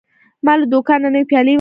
ما له دوکانه نوی پیاله واخیسته.